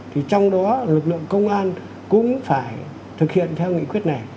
thì trong đó lực lượng công an cũng phải thực hiện theo nghị quyết này